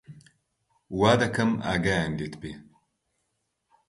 وا دەکەم ئاگایان لێت بێ